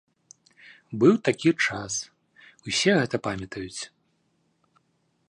Быў такі час, усе гэта памятаюць.